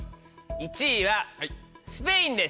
１位はスペインです。